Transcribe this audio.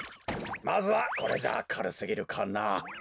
まずはこれじゃあかるすぎるかな？